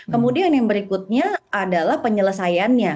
jadi yang berikutnya adalah penyelesaiannya